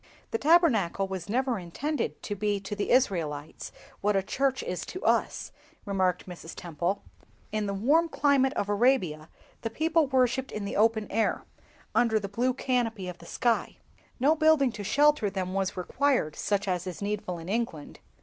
"The Tabernacle was never intended to be to the Israelites what a church is to us," remarked Mrs. Temple. "In the warm climate of Arabia the people worshipped in the open air, under the blue canopy of the sky; no building to shelter them was required, such as is needful in England.